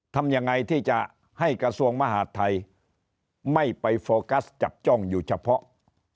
ทำยังไงที่จะให้กระทรวงมหาดไทยไม่ไปโฟกัสจับจ้องอยู่เฉพาะ